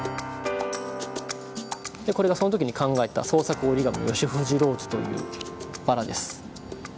これがその時に考えた創作折り紙の吉藤ローズというバラです。